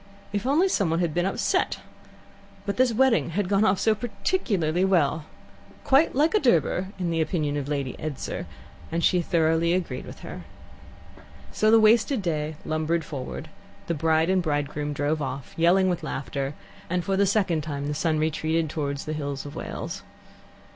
If only someone had been upset! But this wedding had gone off so particularly well "quite like a Durbar" in the opinion of Lady Edser, and she thoroughly agreed with her. So the wasted day lumbered forward, the bride and bridegroom drove off, yelling with laughter, and for the second time the sun retreated towards the hills of Wales.